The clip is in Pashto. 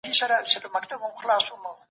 مشاورینو به سوداګریزي لاري خلاصولې.